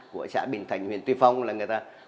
của xã bình thạnh huyện tuy phong